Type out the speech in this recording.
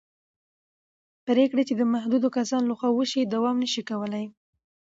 پرېکړې چې د محدودو کسانو له خوا وشي دوام نه شي کولی